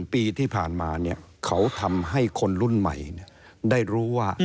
ปีที่ผ่านมาเขาทำให้คนรุ่นใหม่ได้รู้ว่า